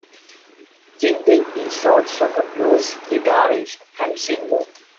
Gindick is also a blues guitarist and singer.